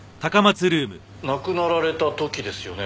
亡くなられた時ですよね